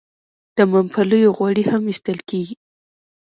د ممپلیو غوړي هم ایستل کیږي.